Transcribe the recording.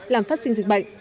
làm phát sinh dịch bệnh